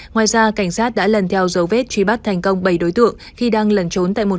ngoài ra cảnh sát đã lần theo dấu vết truy bắt thành công bảy đối tượng khi đang lẩn trốn tại một